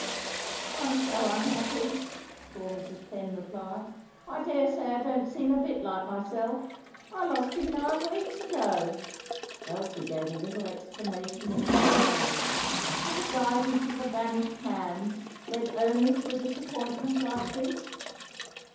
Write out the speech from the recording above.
"I'm so unhappy," poor Mrs. Penn replied. "I daresay I don't seem a bit like myself. I lost him nine weeks ago." Elsie gave a little exclamation of dismay. Had the guidance of the vanished hand led only to a disappointment like this?